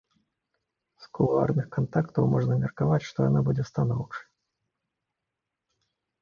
З кулуарных кантактаў можна меркаваць, што яна будзе станоўчай.